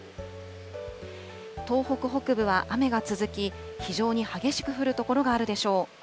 東北北部は雨が続き、非常に激しく降る所があるでしょう。